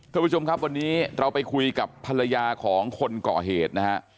ท่านผู้ชมครับวันนี้เราไปคุยกับภรรยาของคนก่อเหตุนะฮะ